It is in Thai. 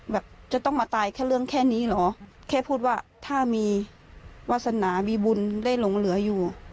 แบบจะต้องมาตายแค่เรื่องแค่นี้เหรอแค่พูดว่าถ้ามีวาสนามีบุญได้หลงเหลืออยู่